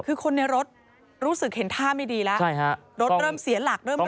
คือคนในรถรู้สึกเห็นท่าไม่ดีแล้วรถเริ่มเสียหลักเริ่ม